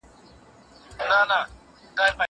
لوبه د زهشوم له خوا کيږي!؟